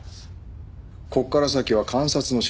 ここから先は監察の仕事だ。